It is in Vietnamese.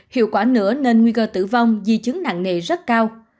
hiệu quả nữa nên nguy cơ tử vong di chứng nặng nề rất cao